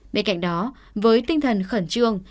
bên cạnh đó với tinh thần khẩn trương